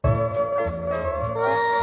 うわ！